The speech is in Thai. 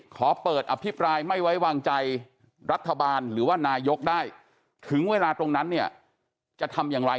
ขอเปิดอภิปรายไม่ไว้วางใจรัฐบาลหรือว่านายกได้ถึงเวลาตรงนั้นเนี่ยจะทำอย่างไร